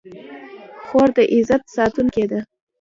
خور د عزت ساتونکې ده.